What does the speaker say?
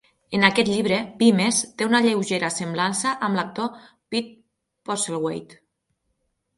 En aquest llibre, Vimes té una lleugera semblança amb l'actor Pete Postlethwaite.